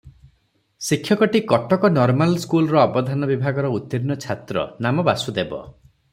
ଶିକ୍ଷକଟି Cuttack normal ସ୍କୁଲର ଅବଧାନ ବିଭାଗର ଉତ୍ତୀର୍ଣ୍ଣ ଛାତ୍ର, ନାମ ବାସୁଦେବ ।